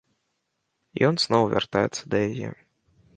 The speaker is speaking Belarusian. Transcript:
Ён зноў вяртаецца да яе.